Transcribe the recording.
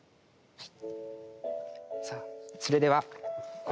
はい。